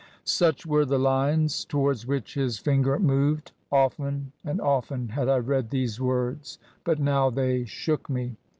" Such were the lines towards which his finger moved. Often and often had I read these words, but now they shook me.